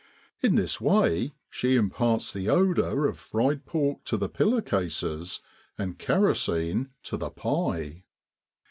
In this way she imparts the odor of fried pork to the pillow cases and kerosene to the pie.